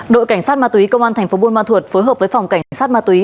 đội cảnh sát ma túy công an tp buôn ma thuột phối hợp với phòng cảnh sát ma túy